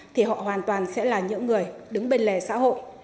thì họ hoàn toàn sẽ là những người đứng bên lề xã hội